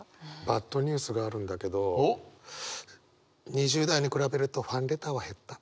バッドニュースがあるんだけど２０代に比べるとファンレターは減った。